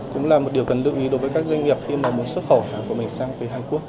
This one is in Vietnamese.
cũng là một điều cần lưu ý đối với các doanh nghiệp khi mà muốn xuất khẩu hàng của mình sang từ hàn quốc